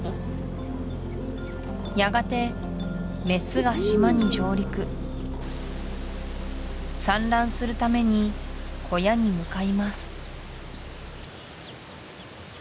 やがてメスが島に上陸産卵するために小屋に向かいます